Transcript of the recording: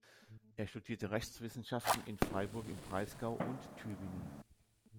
Er studierte Rechtswissenschaften in Freiburg im Breisgau und Tübingen.